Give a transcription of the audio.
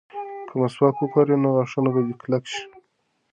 که مسواک وکاروې نو غاښونه به دې کلک شي.